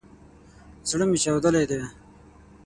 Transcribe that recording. زړه مي چاودلی دی